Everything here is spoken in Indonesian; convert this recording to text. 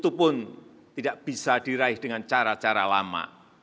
itu pun tidak bisa diraih dengan cara cara lama